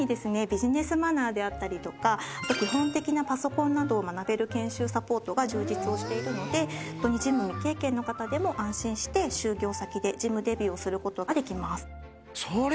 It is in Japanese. ビジネスマナーであったりとか基本的なパソコンなどを学べる研修サポートが充実しているのでホントに事務未経験の方でも安心して就業先で事務デビューをする事ができます。